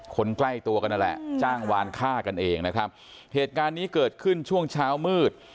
ใกล้ตัวกันนั่นแหละจ้างวานฆ่ากันเองนะครับเหตุการณ์นี้เกิดขึ้นช่วงเช้ามืด